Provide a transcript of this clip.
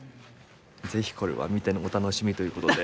是非これは見てのお楽しみということで。